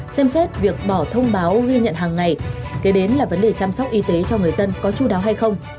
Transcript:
xem xét việc bỏ thông báo ghi nhận hàng ngày kế đến là vấn đề chăm sóc y tế cho người dân có chú đáo hay không